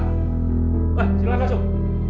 wah silakan langsung